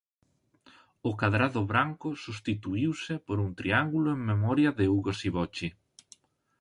O cadrado branco substituíuse por un triángulo en memoria de Ugo Sivocci.